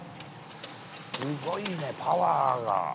すごいね、パワーが。